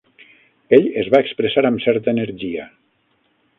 Ell "es va expressar amb certa energia".